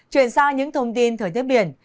chuyển sang những thông tin thời tiết biển